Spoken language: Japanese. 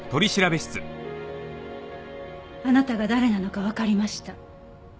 あなたが誰なのかわかりました。